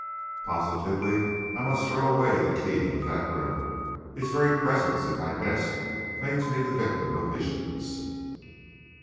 Positively I must throw away the key of that room; its very presence in my desk makes me the victim of visions.